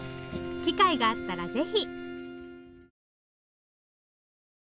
機会があったらぜひ！